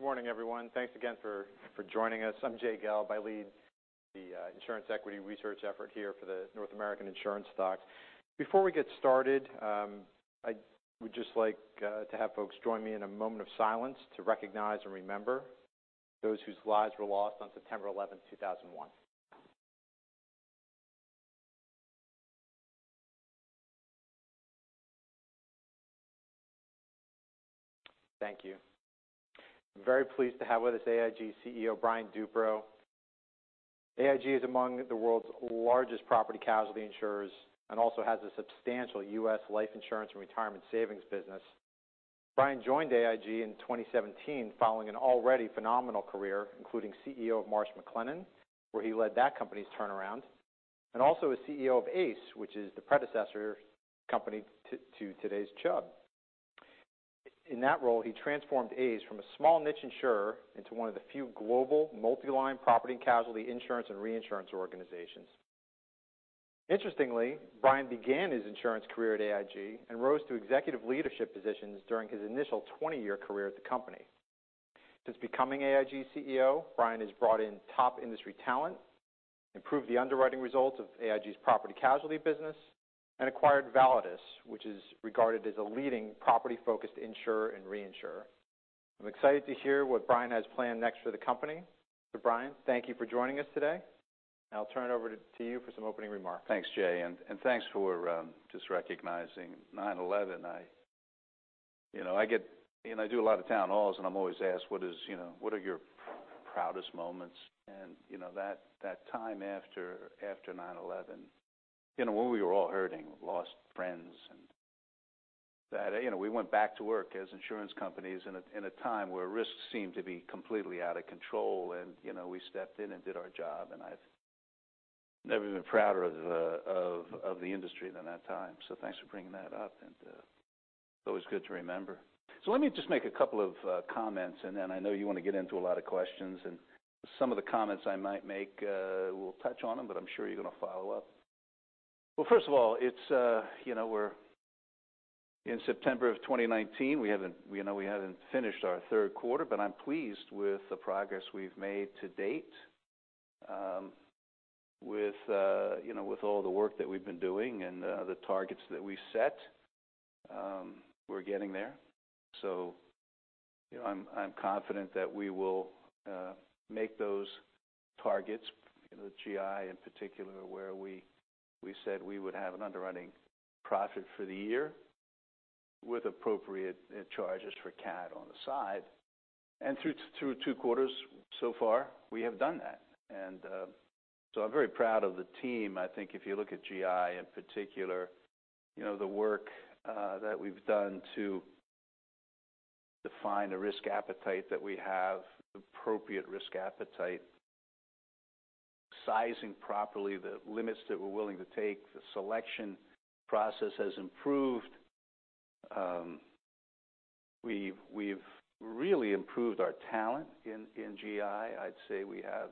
Good morning, everyone. Thanks again for joining us. I'm Jay Gelb. I lead the insurance equity research effort here for the North American Insurance stocks. Before we get started, I would just like to have folks join me in a moment of silence to recognize and remember those whose lives were lost on September 11th, 2001. Thank you. I'm very pleased to have with us AIG CEO, Brian Duperreault. AIG is among the world's largest property casualty insurers and also has a substantial U.S. life insurance and retirement savings business. Brian joined AIG in 2017 following an already phenomenal career, including CEO of Marsh & McLennan, where he led that company's turnaround, and also as CEO of ACE, which is the predecessor company to today's Chubb. In that role, he transformed ACE from a small niche insurer into one of the few global multi-line property casualty insurance and reinsurance organizations. Interestingly, Brian began his insurance career at AIG and rose to executive leadership positions during his initial 20-year career at the company. Since becoming AIG's CEO, Brian has brought in top industry talent, improved the underwriting results of AIG's property casualty business, and acquired Validus, which is regarded as a leading property-focused insurer and reinsurer. I'm excited to hear what Brian has planned next for the company. Brian, thank you for joining us today. I'll turn it over to you for some opening remarks. Thanks, Jay, and thanks for just recognizing 9/11. I do a lot of town halls, and I'm always asked, "What are your proudest moments?" That time after 9/11, when we were all hurting. Lost friends and that. We went back to work as insurance companies in a time where risks seemed to be completely out of control, and we stepped in and did our job. I've never been prouder of the industry than that time. Thanks for bringing that up, and it's always good to remember. Let me just make a couple of comments. I know you want to get into a lot of questions. Some of the comments I might make, we'll touch on them, I'm sure you're going to follow up. Well, first of all, we're in September of 2019. We haven't finished our third quarter, I'm pleased with the progress we've made to date with all the work that we've been doing and the targets that we set. We're getting there. I'm confident that we will make those targets in the GI in particular, where we said we would have an underwriting profit for the year with appropriate charges for cat on the side. Through two quarters so far, we have done that. I'm very proud of the team. I think if you look at GI in particular, the work that we've done to define the risk appetite that we have, appropriate risk appetite, sizing properly the limits that we're willing to take. The selection process has improved. We've really improved our talent in GI. I'd say we have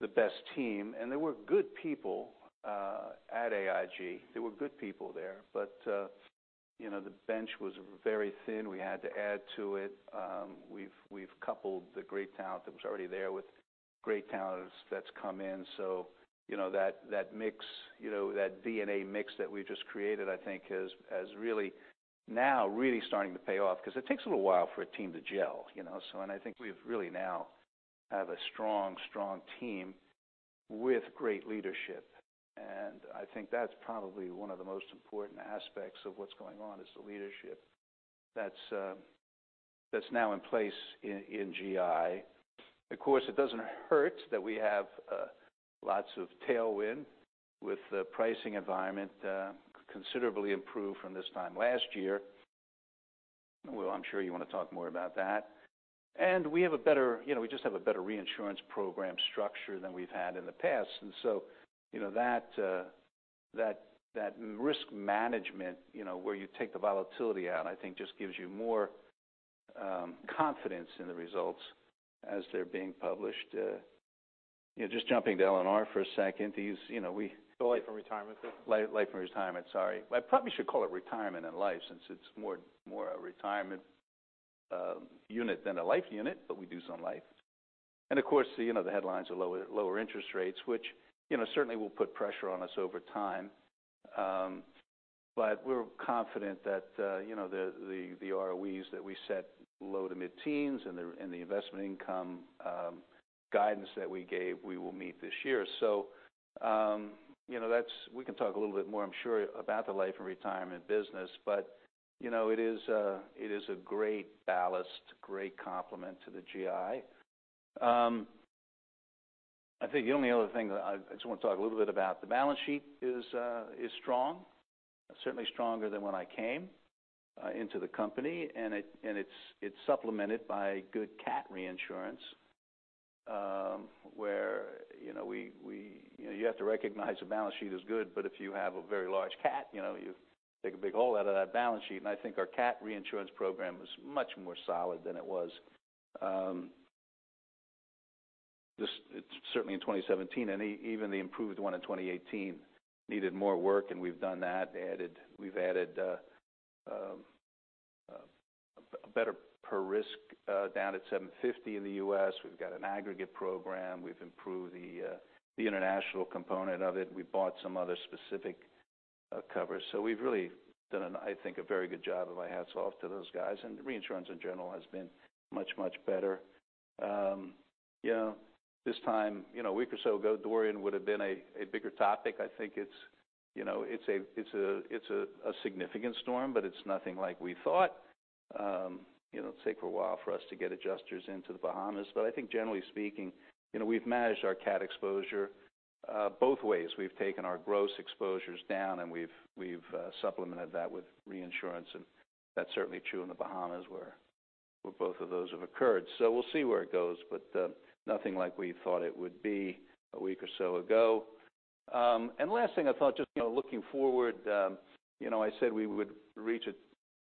the best team, and there were good people at AIG. There were good people there, but the bench was very thin. We had to add to it. We've coupled the great talent that was already there with great talent that's come in. That DNA mix that we just created, I think, is now really starting to pay off because it takes a little while for a team to gel. I think we really now have a strong team with great leadership. I think that's probably one of the most important aspects of what's going on is the leadership that's now in place in GI. Of course, it doesn't hurt that we have lots of tailwind with the pricing environment considerably improved from this time last year. Well, I'm sure you want to talk more about that. We just have a better reinsurance program structure than we've had in the past. That risk management where you take the volatility out, I think just gives you more confidence in the results as they're being published. Just jumping to L&R for a second. Life & Retirement? Life & Retirement, sorry. I probably should call it Retirement & Life since it's more a retirement unit than a life unit, but we do some life. Of course, the headlines are lower interest rates, which certainly will put pressure on us over time. We're confident that the ROEs that we set low to mid-teens and the investment income guidance that we gave, we will meet this year. We can talk a little bit more, I'm sure, about the Life & Retirement business, but it is a great ballast, great complement to the GI. I think the only other thing that I just want to talk a little bit about, the balance sheet is strong. Certainly stronger than when I came into the company, and it's supplemented by good cat reinsurance, where you have to recognize the balance sheet is good, but if you have a very large cat, you take a big hole out of that balance sheet. I think our cat reinsurance program is much more solid than it was, certainly in 2017, and even the improved one in 2018 needed more work, and we've done that. We've added a better per risk down at $750 in the U.S. We've got an aggregate program. We've improved the international component of it. We bought some other specific covers. We've really done, I think, a very good job, and my hat's off to those guys. Reinsurance in general has been much, much better. This time, a week or so ago, Hurricane Dorian would've been a bigger topic. I think it's a significant storm, but it's nothing like we thought. It'll take a while for us to get adjusters into the Bahamas. I think generally speaking, we've managed our cat exposure both ways. We've taken our gross exposures down, and we've supplemented that with reinsurance, and that's certainly true in the Bahamas where both of those have occurred. We'll see where it goes, but nothing like we thought it would be a week or so ago. Last thing I thought, just looking forward, I said we would reach a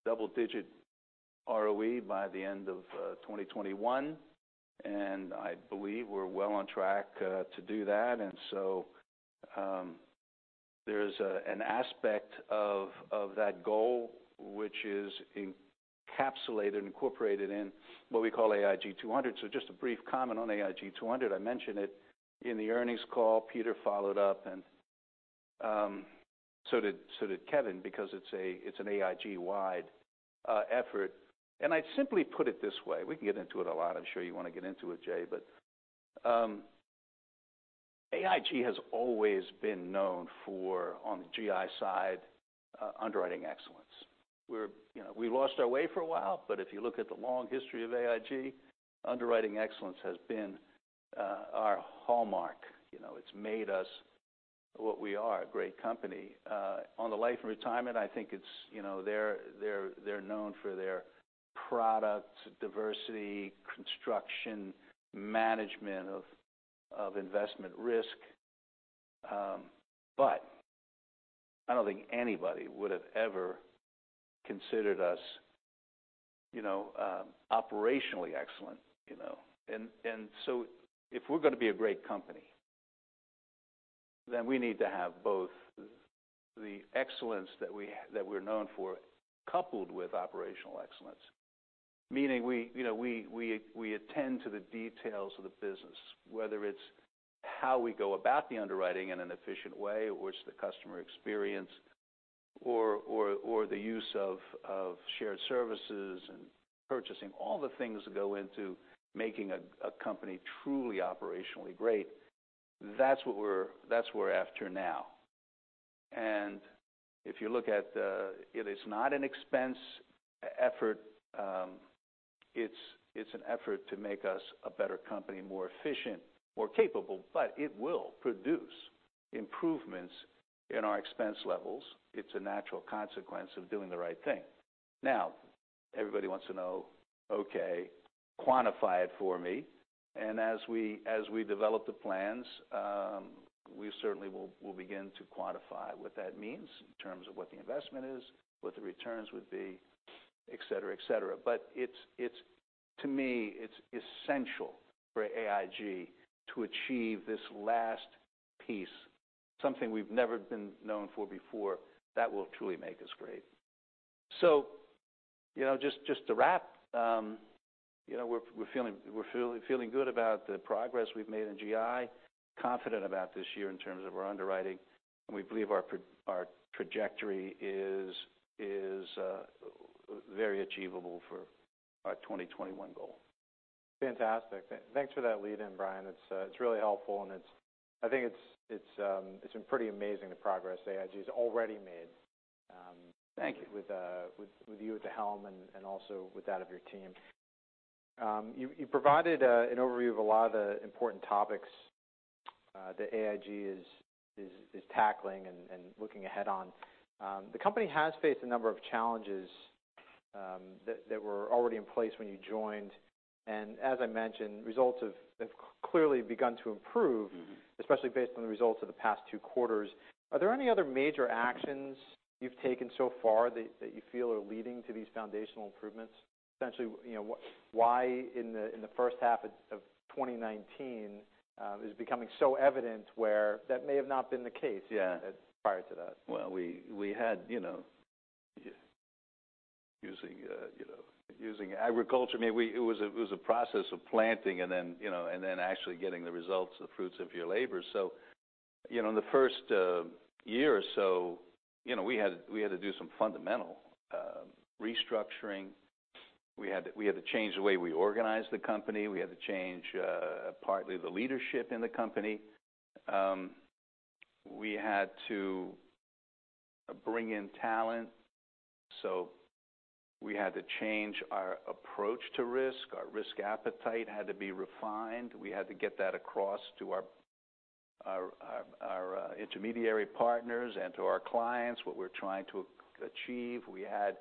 double-digit ROE by the end of 2021, and I believe we're well on track to do that. There's an aspect of that goal which is encapsulated and incorporated in what we call AIG 200. Just a brief comment on AIG 200. I mentioned it in the earnings call. Peter followed up, and so did Kevin, because it's an AIG-wide effort. I'd simply put it this way. We can get into it a lot. I'm sure you want to get into it, Jay, but AIG has always been known for, on the GI side, underwriting excellence. We lost our way for a while, but if you look at the long history of AIG, underwriting excellence has been our hallmark. It's made us what we are, a great company. On the Life & Retirement, I think they're known for their product diversity, construction, management of investment risk. I don't think anybody would have ever considered us operationally excellent. If we're going to be a great company, then we need to have both the excellence that we're known for coupled with operational excellence, meaning we attend to the details of the business, whether it's how we go about the underwriting in an efficient way, or it's the customer experience, or the use of shared services and purchasing, all the things that go into making a company truly operationally great. That's what we're after now. If you look at it's not an expense effort. It's an effort to make us a better company, more efficient, more capable, but it will produce improvements in our expense levels. It's a natural consequence of doing the right thing. Now, everybody wants to know, okay, quantify it for me. As we develop the plans, we certainly will begin to quantify what that means in terms of what the investment is, what the returns would be, et cetera. To me, it's essential for AIG to achieve this last piece, something we've never been known for before that will truly make us great. Just to wrap, we're feeling good about the progress we've made in GI, confident about this year in terms of our underwriting, and we believe our trajectory is very achievable for our 2021 goal. Fantastic. Thanks for that lead-in, Brian. It's really helpful, and I think it's been pretty amazing the progress AIG has already made. Thank you with you at the helm and also with that of your team. You provided an overview of a lot of the important topics that AIG is tackling and looking ahead on. The company has faced a number of challenges that were already in place when you joined, and as I mentioned, results have clearly begun to improve. especially based on the results of the past two quarters. Are there any other major actions you've taken so far that you feel are leading to these foundational improvements? Essentially, why in the first half of 2019 is it becoming so evident where that may have not been the case Yeah prior to that? Well, we had using agriculture, maybe it was a process of planting and then actually getting the results, the fruits of your labor. In the first year or so, we had to do some fundamental restructuring. We had to change the way we organized the company. We had to change partly the leadership in the company. We had to bring in talent. We had to change our approach to risk. Our risk appetite had to be refined. We had to get that across to our intermediary partners and to our clients, what we're trying to achieve. We had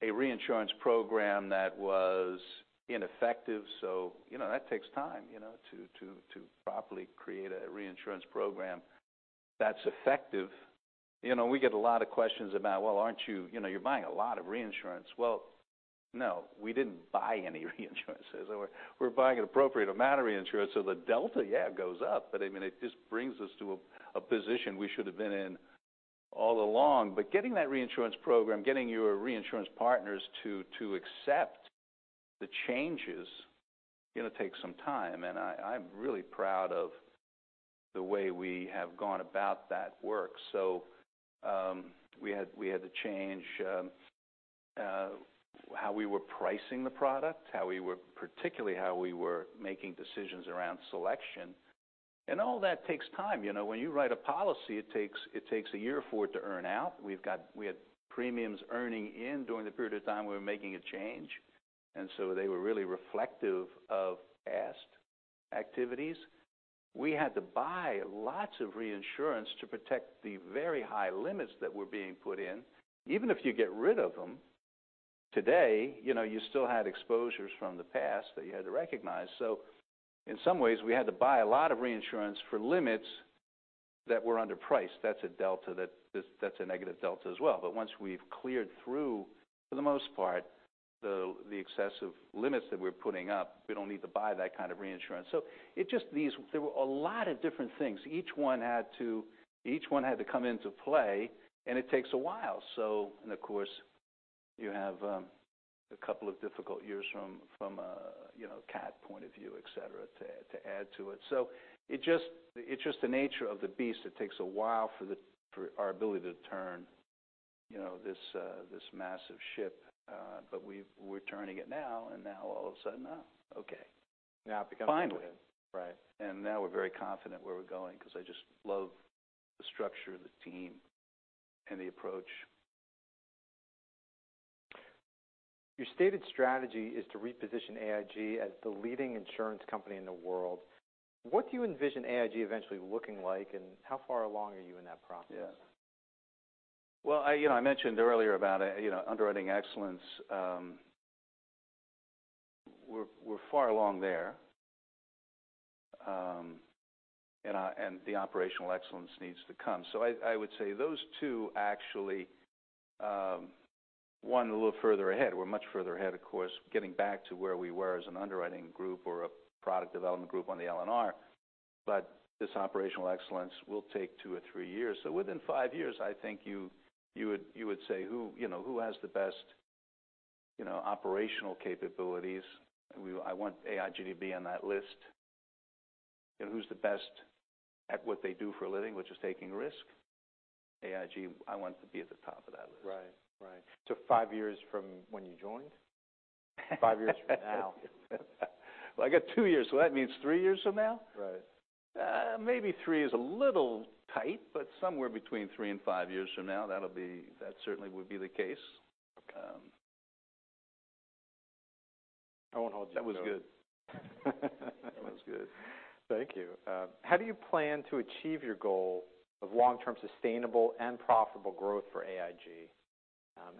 a reinsurance program that was ineffective. That takes time, to properly create a reinsurance program. That's effective. We get a lot of questions about, "Well, you're buying a lot of reinsurance." Well, no, we didn't buy any reinsurance as it were. We're buying an appropriate amount of reinsurance, the delta, yeah, it goes up. It just brings us to a position we should've been in all along. Getting that reinsurance program, getting your reinsurance partners to accept the changes takes some time, and I'm really proud of the way we have gone about that work. We had to change how we were pricing the product, particularly how we were making decisions around selection. All that takes time. When you write a policy, it takes a year for it to earn out. We had premiums earning in during the period of time we were making a change, they were really reflective of past activities. We had to buy lots of reinsurance to protect the very high limits that were being put in. Even if you get rid of them today, you still had exposures from the past that you had to recognize. In some ways, we had to buy a lot of reinsurance for limits that were underpriced. That's a negative delta as well. Once we've cleared through, for the most part, the excessive limits that we're putting up, we don't need to buy that kind of reinsurance. There were a lot of different things. Each one had to come into play, and it takes a while. Of course, you have a couple of difficult years from a cat point of view, et cetera, to add to it. It's just the nature of the beast. It takes a while for our ability to turn this massive ship. We're turning it now, and now all of a sudden, okay. Now it becomes- Finally right. Now we're very confident where we're going because I just love the structure of the team and the approach. Your stated strategy is to reposition AIG as the leading insurance company in the world. What do you envision AIG eventually looking like, and how far along are you in that process? Well, I mentioned earlier about underwriting excellence. We're far along there. The operational excellence needs to come. I would say those two actually, one a little further ahead. We're much further ahead, of course, getting back to where we were as an underwriting group or a product development group on the L&R. This operational excellence will take two or three years. Within five years, I think you would say who has the best operational capabilities? I want AIG to be on that list. Who's the best at what they do for a living, which is taking risk? AIG, I want to be at the top of that list. Right. Five years from when you joined? Five years from now. Well, I got two years, that means three years from now? Right. Maybe three is a little tight, somewhere between three and five years from now, that certainly would be the case. Okay. I won't hold you to that. That was good. That was good. Thank you. How do you plan to achieve your goal of long-term sustainable and profitable growth for AIG?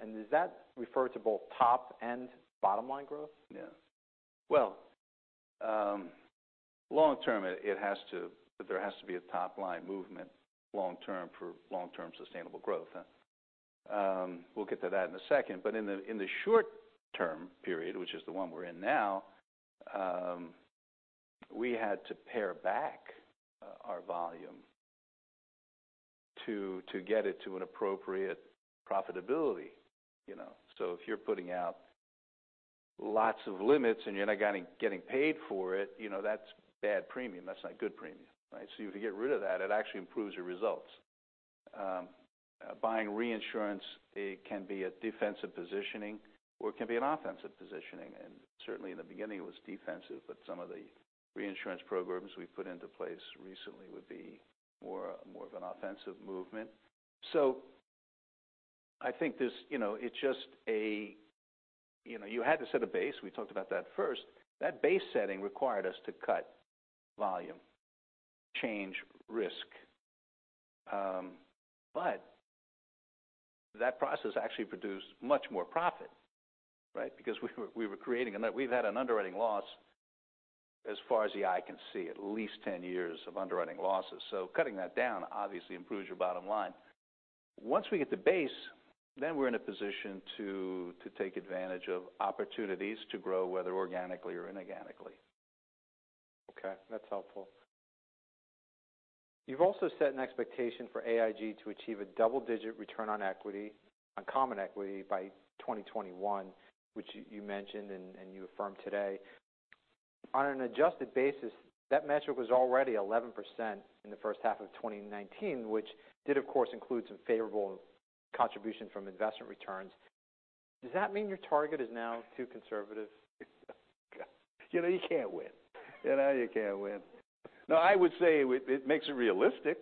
Does that refer to both top and bottom-line growth? Yeah. Well, long term, there has to be a top-line movement for long-term sustainable growth. We'll get to that in a second. In the short-term period, which is the one we're in now, we had to pare back our volume to get it to an appropriate profitability. If you're putting out lots of limits and you're not getting paid for it, that's bad premium. That's not good premium, right? If you get rid of that, it actually improves your results. Buying reinsurance, it can be a defensive positioning, or it can be an offensive positioning, and certainly in the beginning, it was defensive. Some of the reinsurance programs we've put into place recently would be more of an offensive movement. I think you had to set a base. We talked about that first. That base setting required us to cut volume, change risk. That process actually produced much more profit, right? Because we've had an underwriting loss as far as the eye can see, at least 10 years of underwriting losses. Cutting that down obviously improves your bottom line. Once we get the base, then we're in a position to take advantage of opportunities to grow, whether organically or inorganically. That's helpful. You've also set an expectation for AIG to achieve a double-digit return on common equity by 2021, which you mentioned and you affirmed today. On an adjusted basis, that metric was already 11% in the first half of 2019, which did of course include some favorable contribution from investment returns. Does that mean your target is now too conservative? You can't win. No, I would say it makes it realistic,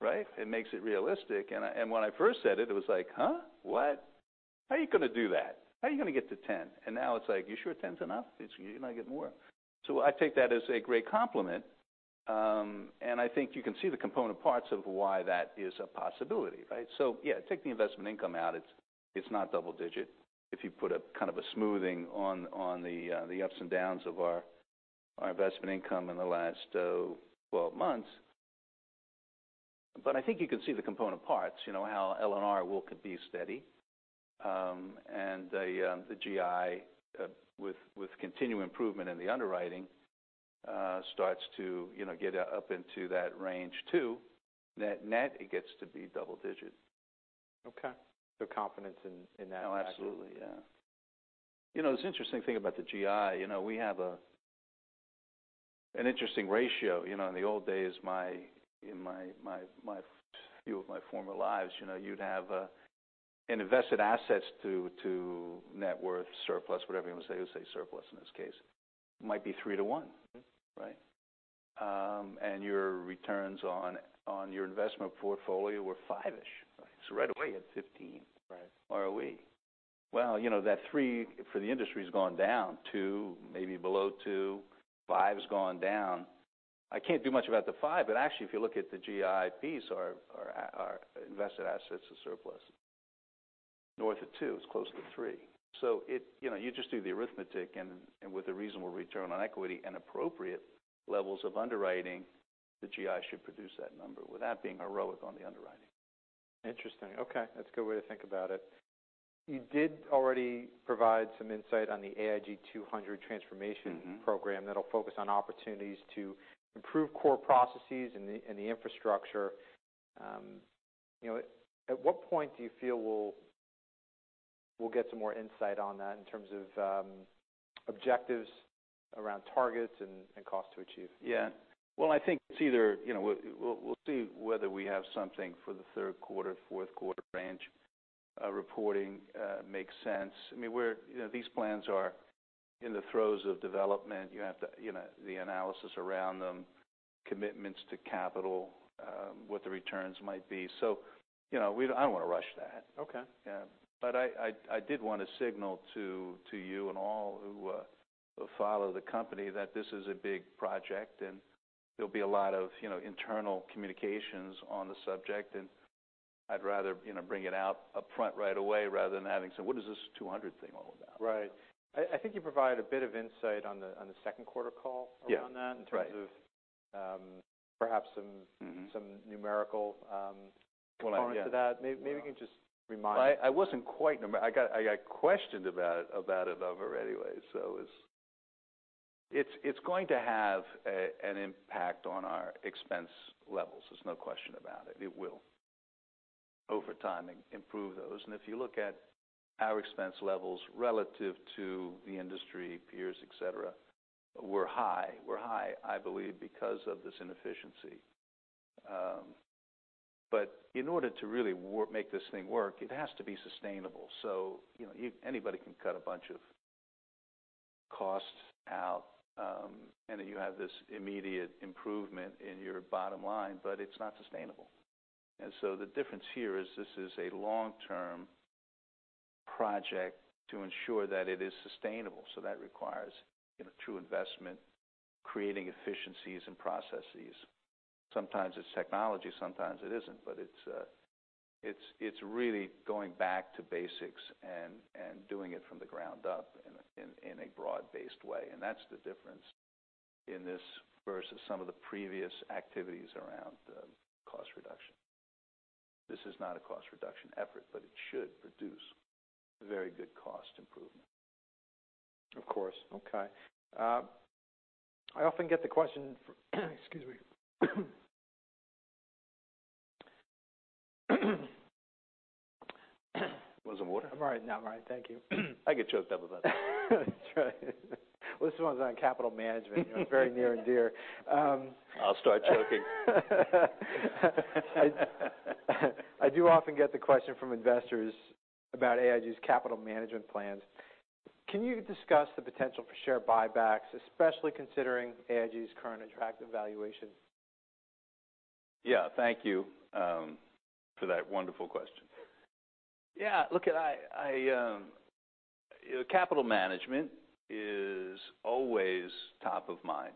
right? It makes it realistic, and when I first said it was like, "Huh? What? How are you going to do that? How are you going to get to 10?" Now it's like, "Are you sure 10's enough? You're not getting more." I take that as a great compliment. I think you can see the component parts of why that is a possibility, right? Yeah, take the investment income out. It's not double digit if you put a kind of a smoothing on the ups and downs of our investment income in the last 12 months. I think you can see the component parts, how L&R will be steady. The GI, with continued improvement in the underwriting, starts to get up into that range too. Net, it gets to be double digit. Okay. confidence in that. Oh, absolutely. Yeah. It's interesting thing about the GI, we have an interesting ratio. In the old days, in a few of my former lives, you'd have an invested assets to net worth surplus, whatever you want to say. Let's say surplus in this case. Might be 3 to 1, right? Your returns on your investment portfolio were five-ish. Right away, you had 15 Right ROE. Well, that three for the industry has gone down. Two, maybe below two. Five's gone down. I can't do much about the five, but actually if you look at the GI piece, our invested assets to surplus, north of two, it's close to three. You just do the arithmetic and with a reasonable return on equity and appropriate levels of underwriting, the GI should produce that number without being heroic on the underwriting. Interesting. Okay. That's a good way to think about it. You did already provide some insight on the AIG 200 transformation program. That'll focus on opportunities to improve core processes and the infrastructure. At what point do you feel we'll get some more insight on that in terms of objectives around targets and cost to achieve? Yeah. Well, I think we'll see whether we have something for the third quarter, fourth quarter range reporting makes sense. These plans are in the throes of development. You have the analysis around them, commitments to capital, what the returns might be. I don't want to rush that. Okay. Yeah. I did want to signal to you and all who follow the company that this is a big project, and there'll be a lot of internal communications on the subject, and I'd rather bring it out up front right away rather than having, So, what is this 200 thing all about? Right. I think you provide a bit of insight on the second quarter call around that. Yeah. Right in terms of perhaps some numerical component to that. Maybe you can just remind I wasn't quite I got questioned about it though already anyway, so it's going to have an impact on our expense levels. There's no question about it. It will over time improve those. If you look at our expense levels relative to the industry peers, et cetera, we're high. We're high, I believe because of this inefficiency. In order to really make this thing work, it has to be sustainable. Anybody can cut a bunch of costs out, and then you have this immediate improvement in your bottom line, but it's not sustainable. The difference here is this is a long-term project to ensure that it is sustainable. That requires true investment, creating efficiencies in processes. Sometimes it's technology, sometimes it isn't. It's really going back to basics and doing it from the ground up in a broad-based way. That's the difference in this versus some of the previous activities around cost reduction. This is not a cost reduction effort, but it should produce very good cost improvement. Of course. Okay. I often get the question. Excuse me. You want some water? I'm all right now. I'm all right. Thank you. I get choked up about that. Right. Well, this one's on capital management, it's very near and dear. I'll start choking. I do often get the question from investors about AIG's capital management plans. Can you discuss the potential for share buybacks, especially considering AIG's current attractive valuation? Yeah. Thank you for that wonderful question. Yeah. Look, capital management is always top of mind.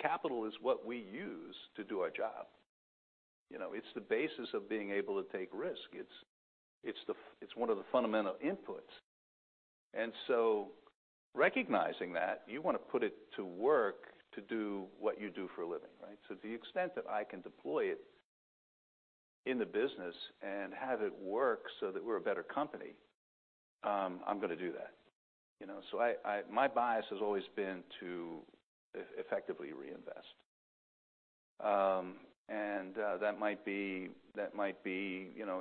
Capital is what we use to do our job. It's the basis of being able to take risk. It's one of the fundamental inputs. Recognizing that, you want to put it to work to do what you do for a living, right? To the extent that I can deploy it in the business and have it work so that we're a better company, I'm going to do that. My bias has always been to effectively reinvest. That might be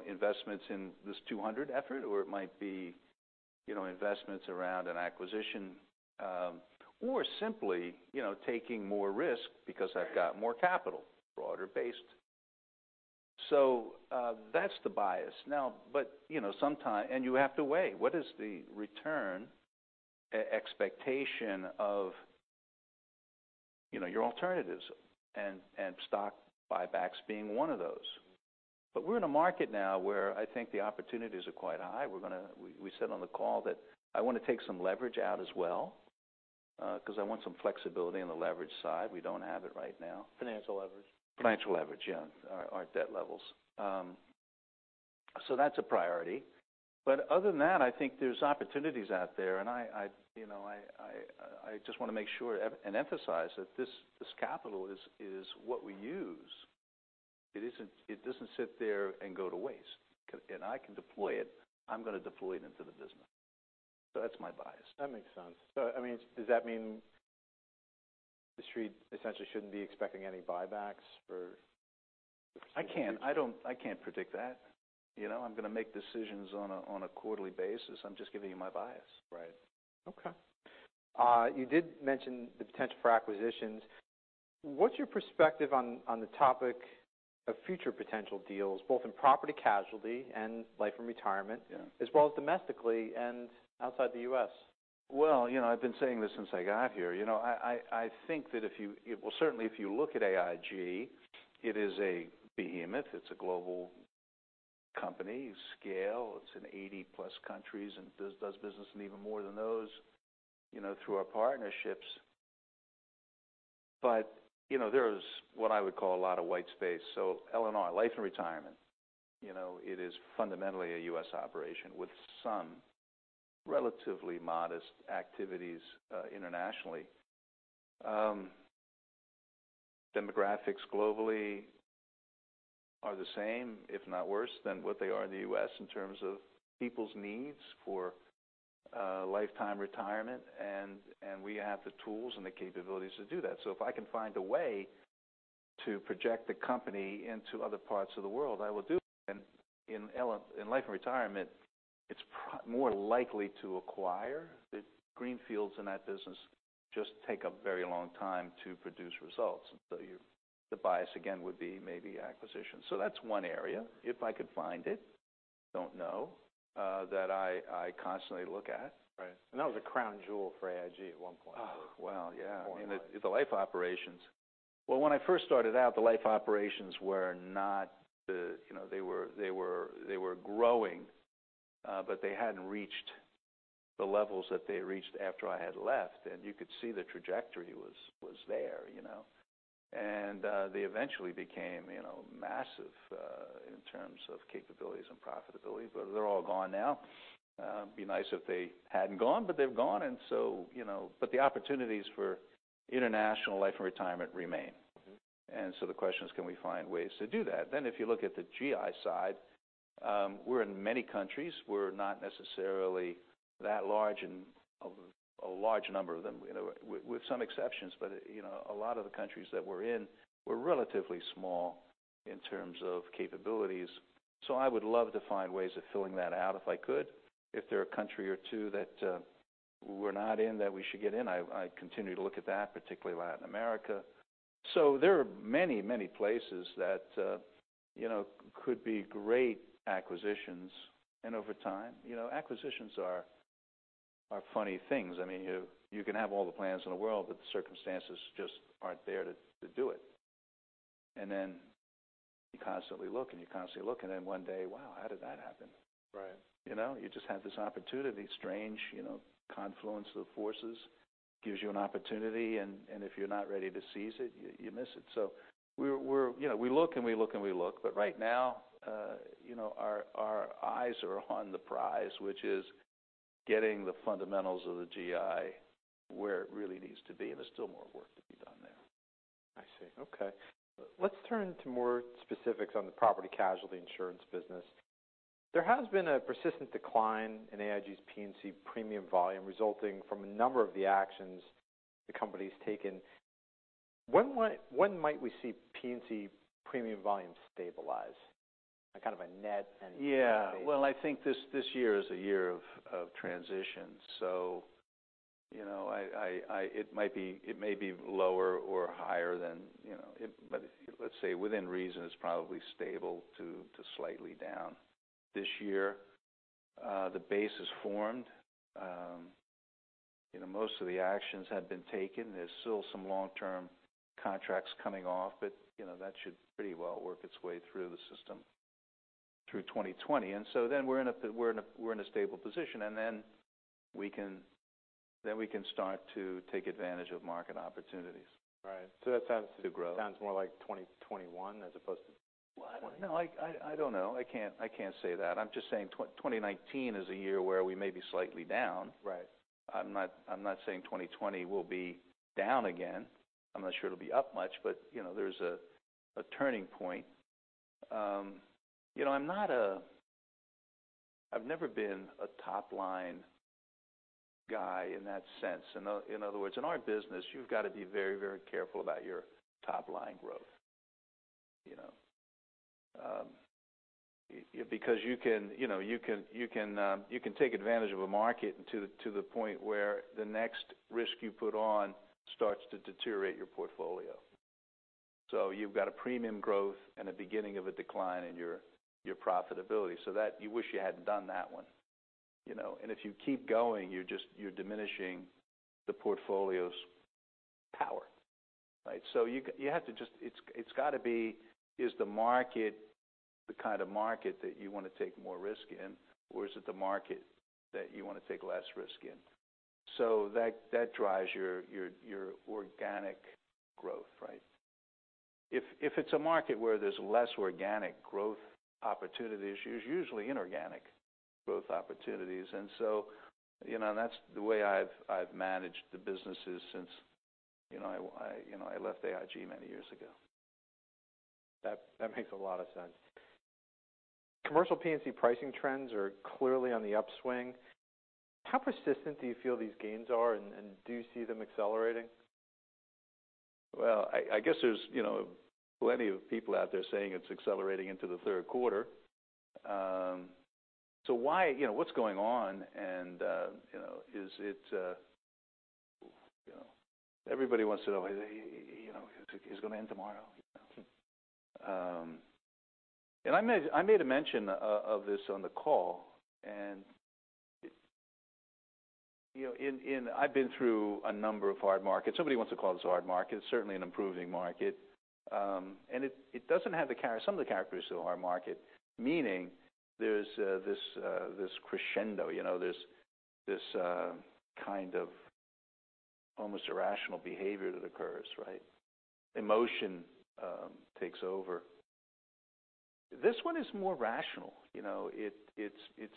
investments in this 200 effort, or it might be investments around an acquisition, or simply taking more risk because I've got more capital, broader based. That's the bias. You have to weigh what is the return expectation of your alternatives, and stock buybacks being one of those. We're in a market now where I think the opportunities are quite high. We said on the call that I want to take some leverage out as well, because I want some flexibility on the leverage side. We don't have it right now. Financial leverage. Financial leverage, yeah, our debt levels. That's a priority. Other than that, I think there's opportunities out there, and I just want to make sure and emphasize that this capital is what we use. It doesn't sit there and go to waste. I can deploy it. I'm going to deploy it into the business. That's my bias. That makes sense. Does that mean the Street essentially shouldn't be expecting any buybacks for- I can't predict that. I'm going to make decisions on a quarterly basis. I'm just giving you my bias. Right. Okay. You did mention the potential for acquisitions. What's your perspective on the topic of future potential deals, both in property casualty and Life & Retirement- Yeah as well as domestically and outside the U.S.? Well, I've been saying this since I got here. I think that Well, certainly if you look at AIG, it is a behemoth. It's a global company scale. It's in 80-plus countries, and does business in even more than those through our partnerships. There is what I would call a lot of white space. L&R, Life & Retirement. It is fundamentally a U.S. operation with some relatively modest activities internationally. Demographics globally are the same, if not worse, than what they are in the U.S. in terms of people's needs for lifetime retirement, and we have the tools and the capabilities to do that. If I can find a way to project the company into other parts of the world, I will do it. In Life & Retirement, it's more likely to acquire. The greenfields in that business just take a very long time to produce results. The bias again would be maybe acquisition. That's one area, if I could find it, don't know, that I constantly look at. Right. That was a crown jewel for AIG at one point. Well, yeah. Or am I- The Life & Retirement operations. Well, when I first started out, the Life & Retirement operations were growing, but they hadn't reached the levels that they reached after I had left. You could see the trajectory was there. They eventually became massive in terms of capabilities and profitability, but they're all gone now. Be nice if they hadn't gone, but they've gone, but the opportunities for international Life & Retirement remain. The question is, can we find ways to do that? If you look at the GI side, we're in many countries. We're not necessarily that large in a large number of them, with some exceptions, but a lot of the countries that we're in, we're relatively small in terms of capabilities. I would love to find ways of filling that out if I could. If there are a country or two that we're not in that we should get in, I continue to look at that, particularly Latin America. There are many places that could be great acquisitions. Over time, acquisitions are funny things. You can have all the plans in the world, but the circumstances just aren't there to do it. You constantly look, and you constantly look, and then one day, wow, how did that happen? Right. You just have this opportunity, strange confluence of forces gives you an opportunity, and if you're not ready to seize it, you miss it. We look and we look, but right now our eyes are on the prize, which is getting the fundamentals of the GI where it really needs to be, and there's still more work to be done there. I see. Okay. Let's turn to more specifics on the property casualty insurance business. There has been a persistent decline in AIG's P&C premium volume resulting from a number of the actions the company's taken. When might we see P&C premium volume stabilize? Well, I think this year is a year of transitions, so it may be lower or higher than it. Let's say within reason, it's probably stable to slightly down. This year, the base is formed. Most of the actions have been taken. There's still some long-term contracts coming off, but that should pretty well work its way through the system through 2020. Then we're in a stable position, then we can start to take advantage of market opportunities. Right. That sounds To grow more like 2021 as opposed to 2020. Well, I don't know. I can't say that. I'm just saying 2019 is a year where we may be slightly down. Right. I'm not saying 2020 will be down again. I'm not sure it'll be up much, There's a turning point. I've never been a top-line guy in that sense. In other words, in our business, you've got to be very careful about your top-line growth. You can take advantage of a market to the point where the next risk you put on starts to deteriorate your portfolio. You've got a premium growth and a beginning of a decline in your profitability. That you wish you hadn't done that one. If you keep going, you're diminishing the portfolio's power, right? It's got to be is the market the kind of market that you want to take more risk in, or is it the market that you want to take less risk in? That drives your organic growth, right? If it's a market where there's less organic growth opportunities, there's usually inorganic growth opportunities. That's the way I've managed the businesses since I left AIG many years ago. That makes a lot of sense. Commercial P&C pricing trends are clearly on the upswing. How persistent do you feel these gains are, and do you see them accelerating? Well, I guess there's plenty of people out there saying it's accelerating into the third quarter. What's going on, and everybody wants to know is it going to end tomorrow? I made a mention of this on the call, and I've been through a number of hard markets. Nobody wants to call this a hard market. It's certainly an improving market. It doesn't have some of the characteristics of a hard market, meaning there's this crescendo, this kind of almost irrational behavior that occurs, right? Emotion takes over. This one is more rational. It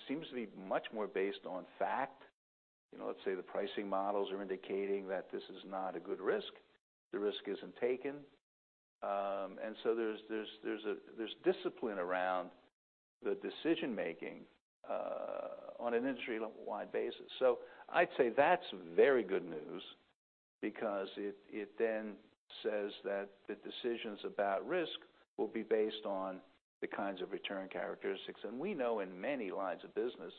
seems to be much more based on fact. Let's say the pricing models are indicating that this is not a good risk. The risk isn't taken. There's discipline around the decision-making on an industry-wide basis. I'd say that's very good news because it then says that the decisions about risk will be based on the kinds of return characteristics. We know in many lines of business,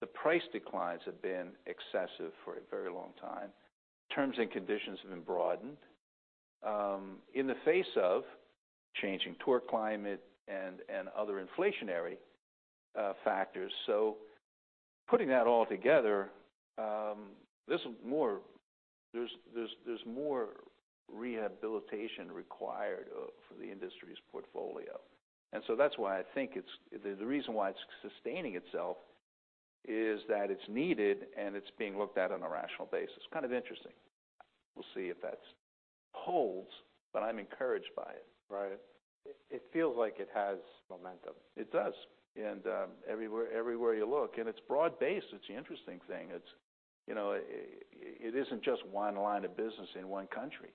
the price declines have been excessive for a very long time. Terms and conditions have been broadened in the face of changing tort climate and other inflationary factors. Putting that all together, there's more rehabilitation required for the industry's portfolio. That's why I think the reason why it's sustaining itself is that it's needed, and it's being looked at on a rational basis. Kind of interesting. We'll see if that holds, but I'm encouraged by it. Right. It feels like it has momentum. It does. Everywhere you look. It's broad-based, it's the interesting thing. It isn't just one line of business in one country,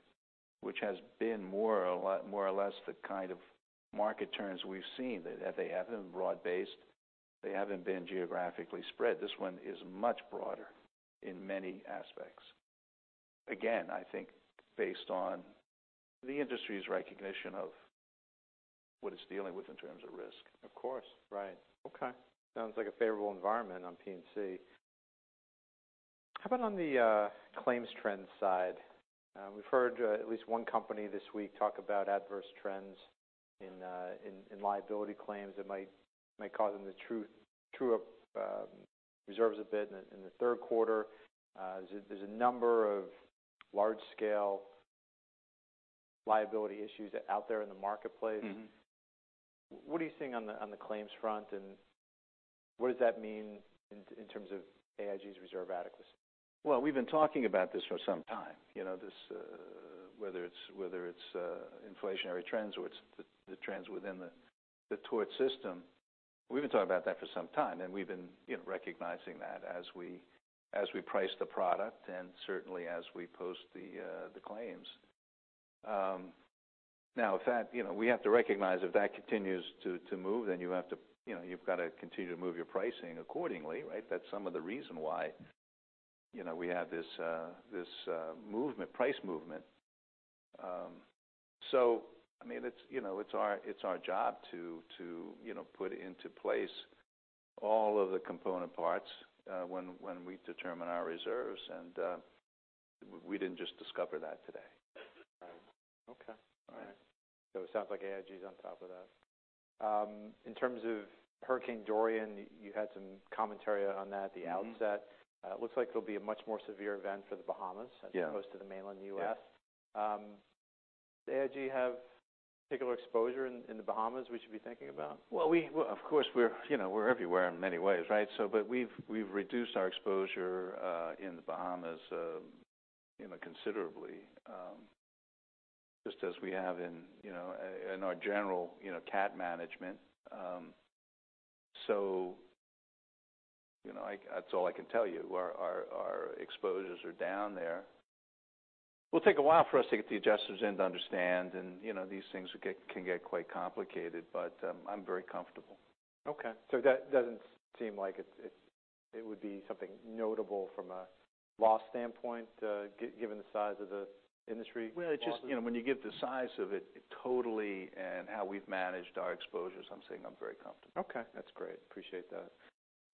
which has been more or less the kind of market turns we've seen, that they haven't been broad-based, they haven't been geographically spread. This one is much broader in many aspects. Again, I think based on the industry's recognition of what it's dealing with in terms of risk. Of course. Right. Okay. Sounds like a favorable environment on P&C. How about on the claims trends side? We've heard at least one company this week talk about adverse trends in liability claims that might cause them to true up reserves a bit in the third quarter. There's a number of large-scale liability issues out there in the marketplace. What are you seeing on the claims front, and what does that mean in terms of AIG's reserve adequacy? Well, we've been talking about this for some time. Whether it's inflationary trends or the trends within the tort system, we've been talking about that for some time, and we've been recognizing that as we price the product and certainly as we post the claims. We have to recognize if that continues to move, then you've got to continue to move your pricing accordingly, right? That's some of the reason why we have this price movement. It's our job to put into place all of the component parts when we determine our reserves, and we didn't just discover that today. Right. Okay. All right. It sounds like AIG's on top of that. In terms of Hurricane Dorian, you had some commentary on that at the outset. It looks like it'll be a much more severe event for the Bahamas. Yeah as opposed to the mainland U.S. Yeah. Does AIG have particular exposure in the Bahamas we should be thinking about? Well, of course, we're everywhere in many ways, right? We've reduced our exposure in the Bahamas considerably, just as we have in our general cat management. That's all I can tell you. Our exposures are down there. It'll take a while for us to get the adjusters in to understand, and these things can get quite complicated, but I'm very comfortable. Okay. That doesn't seem like it would be something notable from a loss standpoint, given the size of the industry. Well, when you give the size of it totally and how we've managed our exposures, I'm saying I'm very comfortable. Okay. That's great. Appreciate that.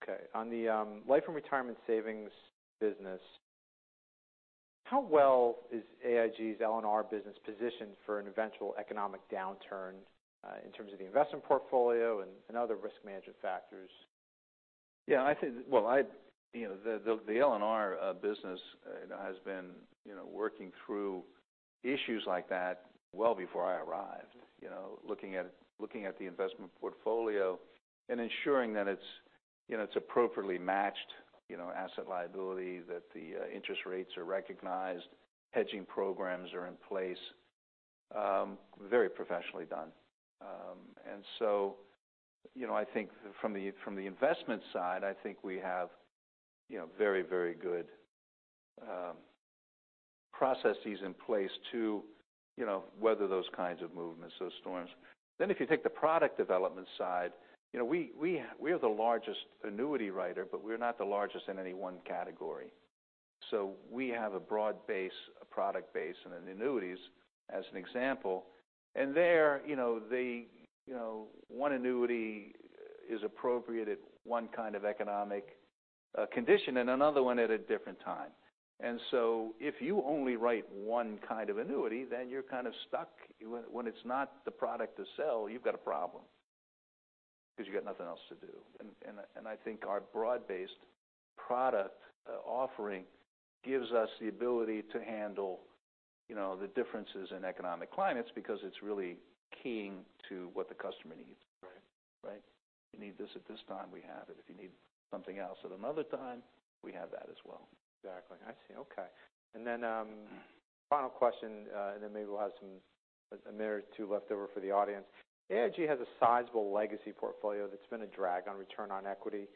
Okay. On the Life & Retirement savings business, how well is AIG's L&R business positioned for an eventual economic downturn in terms of the investment portfolio and other risk management factors? Yeah. The L&R business has been working through issues like that well before I arrived Looking at the investment portfolio and ensuring that it's appropriately matched asset liability, that the interest rates are recognized, hedging programs are in place. Very professionally done. I think from the investment side, I think we have very good processes in place to weather those kinds of movements, those storms. If you take the product development side, we are the largest annuity writer, but we're not the largest in any one category. We have a broad base, a product base, and then annuities, as an example. There, one annuity is appropriate at one kind of economic condition and another one at a different time. If you only write one kind of annuity, then you're kind of stuck. When it's not the product to sell, you've got a problem because you got nothing else to do. I think our broad-based product offering gives us the ability to handle the differences in economic climates because it's really keying to what the customer needs. Right. Right. You need this at this time, we have it. If you need something else at another time, we have that as well. Exactly. I see. Okay. Final question, maybe we'll have a minute or two leftover for the audience. AIG has a sizable legacy portfolio that's been a drag on return on equity.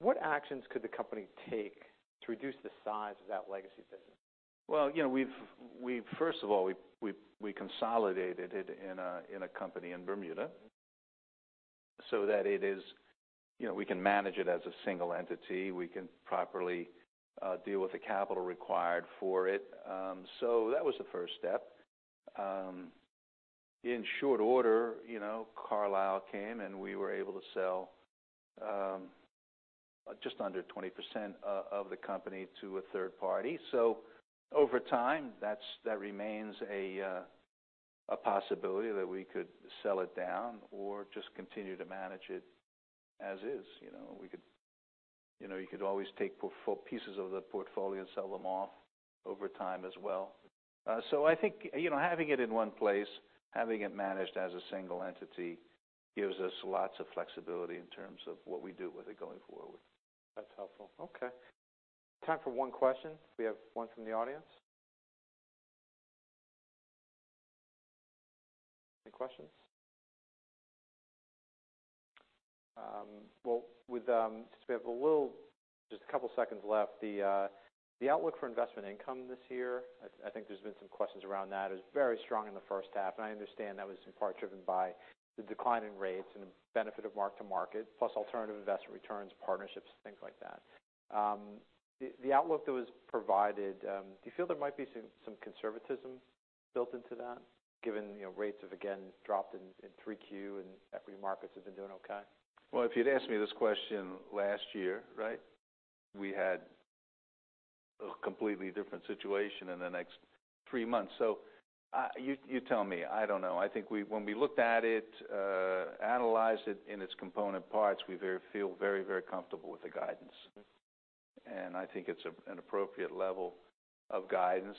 What actions could the company take to reduce the size of that legacy business? First of all, we consolidated it in a company in Bermuda so that we can manage it as a single entity. We can properly deal with the capital required for it. That was the first step. In short order, Carlyle came, and we were able to sell just under 20% of the company to a third party. Over time, that remains a possibility that we could sell it down or just continue to manage it as is. You could always take pieces of the portfolio and sell them off over time as well. I think having it in one place, having it managed as a single entity gives us lots of flexibility in terms of what we do with it going forward. That's helpful. Okay. Time for one question. We have one from the audience. Any questions? Well, since we have just a couple of seconds left, the outlook for investment income this year, I think there's been some questions around that, is very strong in the first half. I understand that was in part driven by the decline in rates and the benefit of mark to market plus alternative investment returns, partnerships, things like that. The outlook that was provided, do you feel there might be some conservatism built into that given rates have again dropped in 3Q and equity markets have been doing okay? Well, if you'd asked me this question last year, we had a completely different situation in the next three months. You tell me. I don't know. I think when we looked at it, analyzed it in its component parts, we feel very comfortable with the guidance. Okay. I think it's an appropriate level of guidance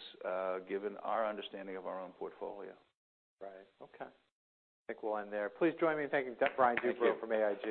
given our understanding of our own portfolio. Right. Okay. I think we'll end there. Please join me in thanking Brian Duperreault from AIG.